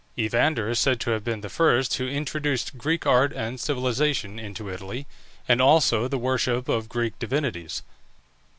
Evander is said to have been the first who introduced Greek art and civilization into Italy, and also the worship of Greek divinities.